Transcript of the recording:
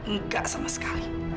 nggak sama sekali